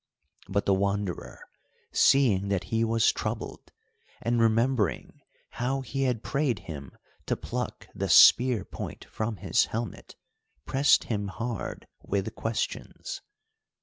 But the Wanderer, seeing that he was troubled, and remembering how he had prayed him to pluck the spear point from his helmet, pressed him hard with questions.